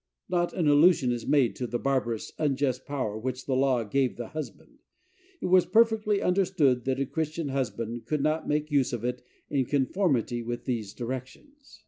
Not an allusion is made to the barbarous, unjust power which the law gave the husband. It was perfectly understood that a Christian husband could not make use of it in conformity with these directions.